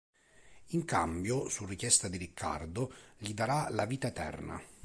In cambio, su richiesta di Ricardo, gli darà la vita eterna.